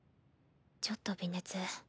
ちょっと微熱。